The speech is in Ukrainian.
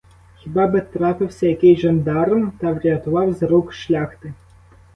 Хіба би трапився який жандарм та врятував з рук шляхти.